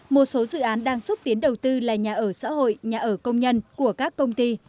một số dự án đang xúc tiến đầu tư là nhà ở xã hội nhà ở công nhân của các công ty